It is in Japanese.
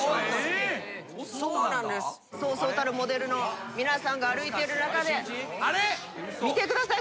そうそうたるモデルの皆さんが歩いてる中で見てください。